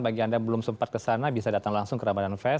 bagi anda yang belum sempat kesana bisa datang langsung ke ramadan fest